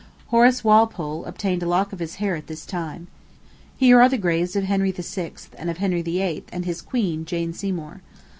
Horace Walpole obtained a lock of his hair at this time. Here are the graves of Henry VI., and of Henry VIII. and his queen, Jane Seymour.